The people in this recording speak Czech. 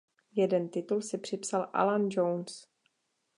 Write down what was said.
Jeden titul si připsal Alan Jones.